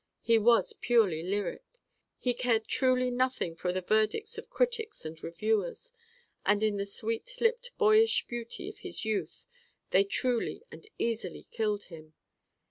He was purely lyric. He cared truly nothing for the verdicts of critics and reviewers: and in the sweet lipped boyish beauty of his youth they truly and easily killed him.